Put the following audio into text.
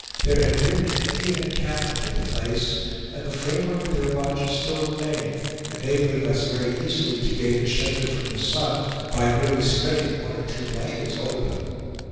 There had been an Indian encampment at the place, and the framework of their lodges still remained, enabling us very easily to gain a shelter from the sun, by merely spreading one or two blankets over them.